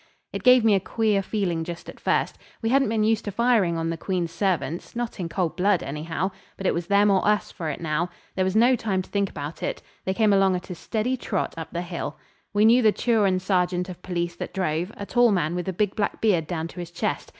It gave me a queer feeling just at first. We hadn't been used to firing on the Queen's servants, not in cold blood, anyhow, but it was them or us for it now. There was no time to think about it. They came along at a steady trot up the hill. We knew the Turon sergeant of police that drove, a tall man with a big black beard down to his chest.